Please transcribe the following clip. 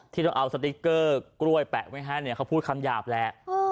ที่เราเอาสติ๊กเกอร์กล้วยแปะไว้ให้เนี่ยเขาพูดคำหยาบแหละ